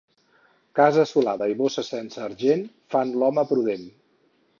Casa assolada i bossa sense argent fan l'home prudent.